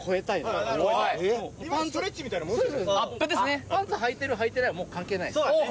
今のパンツはいてるはいてないはもう関係ないです